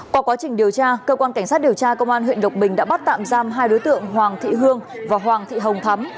qua quá trình điều tra cơ quan cảnh sát điều tra công an huyện lộc bình đã bắt tạm giam hai đối tượng hoàng thị hương và hoàng thị hồng thắm